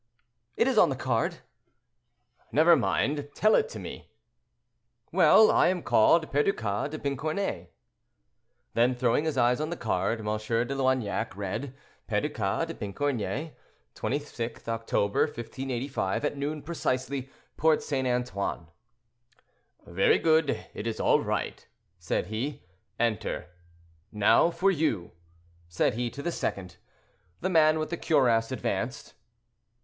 "It is on the card." "Never mind; tell it to me." "Well, I am called Perducas de Pincornay." Then, throwing his eyes on the card. M. de Loignac read. "Perducas de Pincornay, 26 October, 1585, at noon precisely. Porte St. Antoine." "Very good; it is all right," said he, "enter. Now for you," said he to the second. The man with the cuirass advanced.